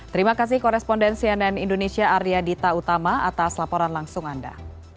terima kasih korespondensi ann indonesia arya dita utama atas laporan langsung anda